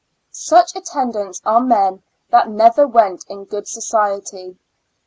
Such attendants are men that never went in good society.